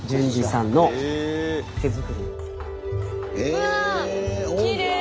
うわきれい！